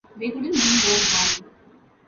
They couldn't be more wrong.